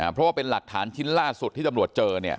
เพราะว่าเป็นหลักฐานชิ้นล่าสุดที่ตำรวจเจอ